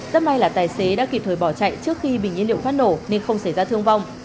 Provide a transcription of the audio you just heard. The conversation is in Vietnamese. rất may là tài xế đã kịp thời bỏ chạy trước khi bình nhiên liệu phát nổ nên không xảy ra thương vong